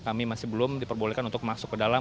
kami masih belum diperbolehkan untuk masuk ke dalam